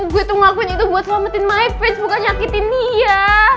gue tuh ngakuin itu buat selamatin my fins bukan nyakitin dia